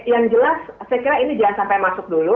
yang jelas saya kira ini jangan sampai masuk dulu